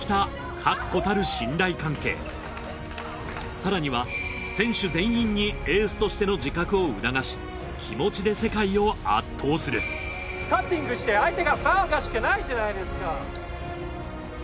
更には選手全員にエースとしての自覚を促し気持ちで世界を圧倒するカッティングして相手がファウル出すしかないじゃないですか。